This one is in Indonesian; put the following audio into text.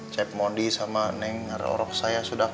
cep mondi sama neng ada orang saya sudah klop